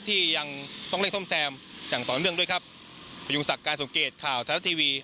ที่ยังต้องเร่งซ่อมแซมอย่างต่อเนื่องด้วยครับพยุงศักดิ์การสมเกตข่าวทะละทีวี